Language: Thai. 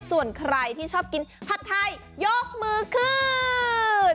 ส่วนใครที่ชอบกินผัดไทยยกมือขึ้น